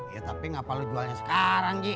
ya tapi gak perlu jualnya sekarang gi